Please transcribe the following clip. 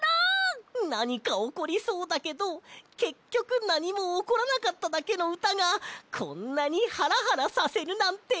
なにかおこりそうだけどけっきょくなにもおこらなかっただけのうたがこんなにハラハラさせるなんて！